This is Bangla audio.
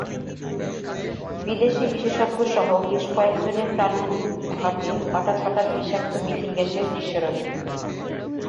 বিদেশি বিশেষজ্ঞসহ বেশ কয়েকজনের প্রাণহানি ঘটে হঠাৎ হঠাৎ বিষাক্ত মিথেন গ্যাসের নিঃসরণে।